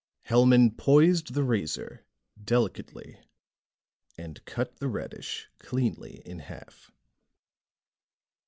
Hellman poised the razor delicately and cut the radish cleanly in half.